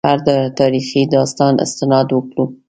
په هر تاریخي داستان استناد وکړو.